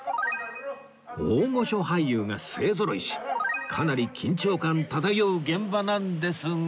大御所俳優が勢ぞろいしかなり緊張感漂う現場なんですが